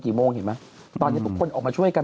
ตอนนี้ทุกคนออกมาช่วยกัน